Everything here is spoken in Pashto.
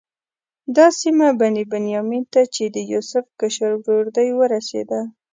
دا سیمه بني بنیامین ته چې د یوسف کشر ورور دی ورسېده.